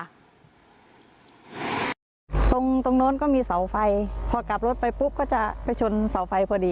ตรงตรงนู้นก็มีเสาไฟพอกลับรถไปปุ๊บก็จะไปชนเสาไฟพอดี